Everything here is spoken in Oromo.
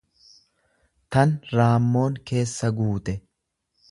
tan raammoon keessa guute.